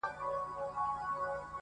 کله نا کله به راتلل ورته د ښار مېلمانه!.